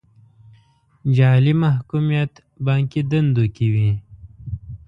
جعلي محکوميت بانکي دندو کې وي.